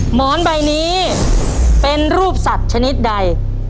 หมอนใบนี้เป็นรูปสัตว์ชนิดใด